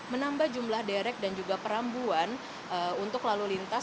menambah jumlah derek dan juga perambuan untuk lalu lintas